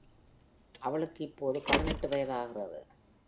அவளுக்கு இப்போது பதினெட்டு வயதாகிறது.